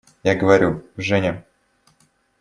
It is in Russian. Я говорю: «Женя…»